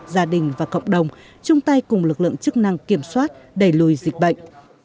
gia đình và cộng đồng chung tay cùng lực lượng chức năng kiểm soát đẩy lùi dịch bệnh